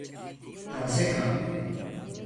Taze kan.